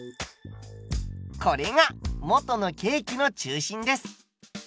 これが元のケーキの中心です。